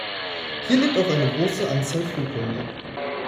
Hier lebt auch eine große Anzahl Flughunde.